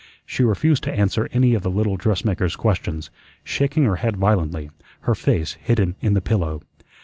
She refused to answer any of the little dressmaker's questions, shaking her head violently, her face hidden in the pillow.